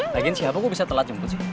lagian si abah gue bisa telat jemput sih